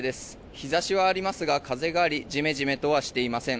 日差しはありますが風がありジメジメとはしていません。